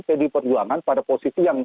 pdi perjuangan pada posisi yang